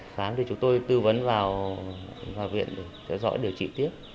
khám thì chúng tôi tư vấn vào viện để theo dõi điều trị tiếp